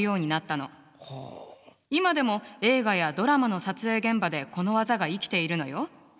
今でも映画やドラマの撮影現場でこの技が生きているのよ。